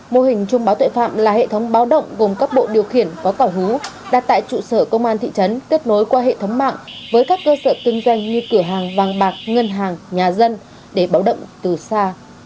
mô hình chung báo tội phạm là hệ thống báo động gồm các bộ điều khiển có quả hữu đặt tại trụ sở công an thị trấn kết nối qua hệ thống mạng với các cơ sở kinh doanh như cửa hàng vàng bạc ngân hàng nhà dân để báo động từ xa